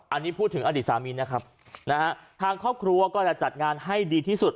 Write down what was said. อันนี้พูดถึงอดีตสามีนะครับนะฮะทางครอบครัวก็จะจัดงานให้ดีที่สุด